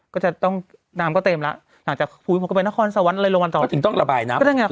พันธุ์แห่งอย่างง่าย